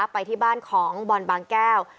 ไปที่บ้านของบอลบางแก้ว